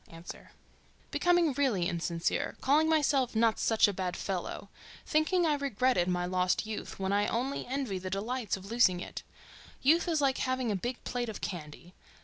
A.—Becoming really insincere—calling myself "not such a bad fellow," thinking I regretted my lost youth when I only envy the delights of losing it. Youth is like having a big plate of candy.